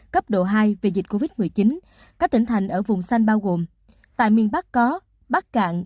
cấp độ hai về dịch covid một mươi chín các tỉnh thành ở vùng xanh bao gồm tại miền bắc có bắc cạn